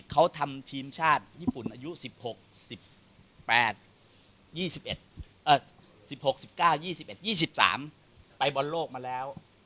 เขาทำทีมชาติญี่ปุ่นอายุ๑๖๒๓ไปบรรโลกมาแล้ว